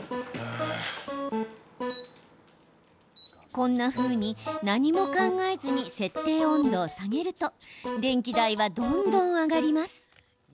こんなふうに、何も考えずに設定温度を下げると電気代はどんどん上がります。